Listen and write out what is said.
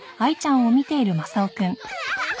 ハハハ。